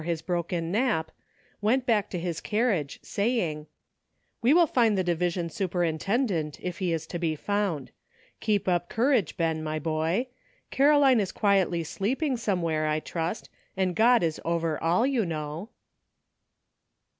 his broken nap, went back to his carriage, say ing, " We will find the division superintendent, if he is to be found. Keep up courage, Ben, my boy; Caroline is quietly sleeping somewhere, I trust, and God is over all, you know."